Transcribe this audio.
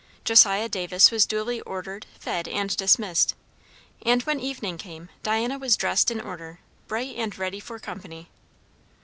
Josiah Davis was duly ordered, fed, and dismissed; and when evening came, Diana was dressed in order, bright, and ready for company.